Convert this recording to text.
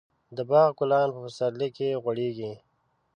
د باغ ګلان په پسرلي کې غوړېږي.